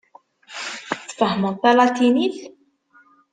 Tfehhmeḍ talatinit?